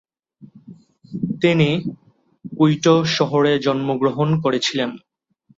তিনি কুইটো শহরে জন্মগ্রহণ করেছিলেন।